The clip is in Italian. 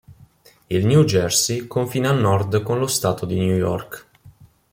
Il New Jersey confina a nord con lo Stato di New York.